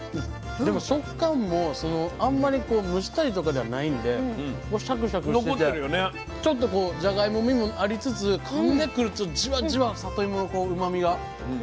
でも食感もあんまり蒸したりとかではないんでシャクシャクしててちょっとじゃがいもみもありつつかんでくるとじわじわさといものうまみが。